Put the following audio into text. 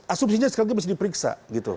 asumsinya sekarang ini mesti diperiksa